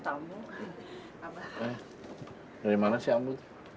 dari mana sih ambu